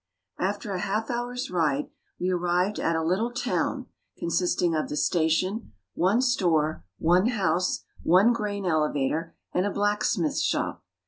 After a half hour's ride we arrived at a little "town" consisting of the station, one store, one house, one grain elevator, and a blacksmith's shop.